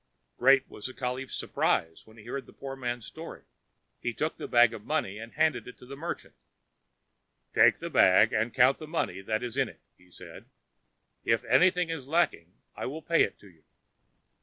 '" Great was the caliph's surprise when he heard the poor man's story. He took the bag of money and handed it to the merchant. "Take the bag and count the money that is in it," he said. "If anything is lacking, I will pay it to you."